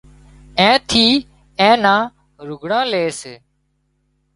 اين ٿِي اين نان لگھڙان لي سي